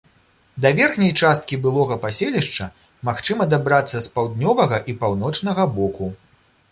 Да верхняй часткі былога паселішча магчыма дабрацца з паўднёвага і паўночнага боку.